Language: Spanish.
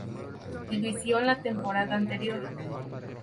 Division la temporada anterior.